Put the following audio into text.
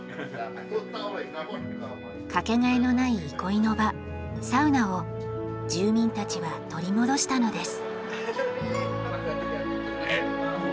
掛けがえのない憩いの場サウナを住民たちは取り戻したのです。